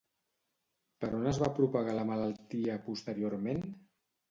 Per on es va propagar la malaltia posteriorment?